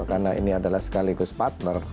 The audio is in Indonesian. karena ini adalah sekaligus partner